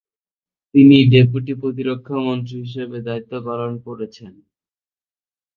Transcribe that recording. তিনি ডেপুটি প্রতিরক্ষামন্ত্রী হিসেবে দায়িত্বপালন করেছেন।